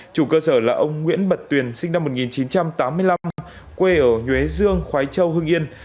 chủ cơ sở là ông nguyễn bật tuyền sinh năm một nghìn chín trăm tám mươi năm quê ở nhuế dương khói châu hưng yên